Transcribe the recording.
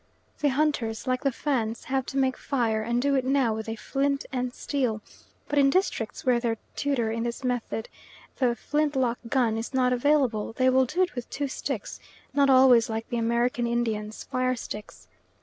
The hunters, like the Fans, have to make fire, and do it now with a flint and steel; but in districts where their tutor in this method the flint lock gun is not available, they will do it with two sticks, not always like the American Indians' fire sticks.